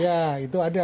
ya itu ada